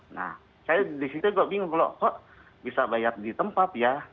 nah saya disitu kok bingung loh kok bisa bayar di tempat ya